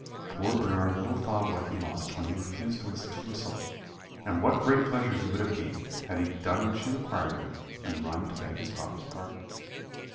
"Poor Bernard little thought what he lost when he refused to listen to Lucilla, and what great pleasure he would have gained, had he done what she required of him, and run to beg his father's pardon.